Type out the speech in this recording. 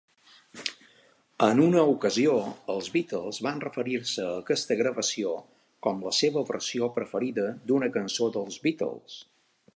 En una ocasió, els Beatles van referir-se a aquesta gravació com la seva versió preferida d'una cançó dels Beatles.